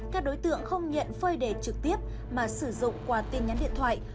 các đối tượng không nhận phơi đề trực tiếp mà sử dụng qua tin nhắn điện thoại